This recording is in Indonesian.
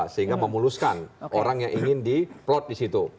sehingga memuluskan orang yang ingin diplot di situ